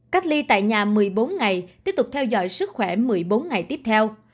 cách ly tại nhà một mươi bốn ngày tiếp tục theo dõi sức khỏe một mươi bốn ngày tiếp theo